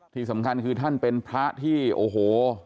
ที่สำคัญคือท่านเป็นพระที่โอ้โห